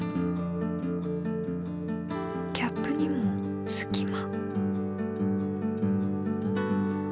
キャップにもすき間。